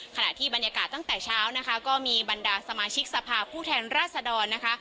ขณะที่บรรยากาศตั้งแต่เช้านะคะก็มีบรรดาสมาชิกสภาพผู้แทนราษดรนะคะ